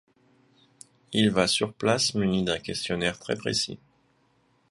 Il va sur place, muni d'un questionnaire très précis.